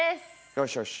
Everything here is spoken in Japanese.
よしよし。